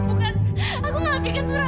aku enggak akan begini sampai mama percaya